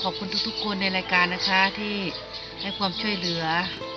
ขอบคุณทุกคนในรายการนะคะที่ให้ความช่วยเหลือ